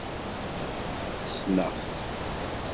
Ssneɣ-t.